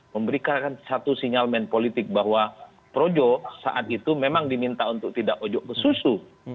memberikan satu sinyal men politik bahwa projo saat itu memang diminta untuk tidak ojok besusu